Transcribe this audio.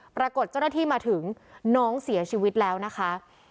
ปรากฏเจ้าหน้าที่มาถึงน้องเสียชีวิตแล้วนะคะ